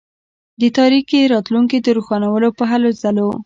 د تاریکي راتلونکي د روښانولو په هلوځلو.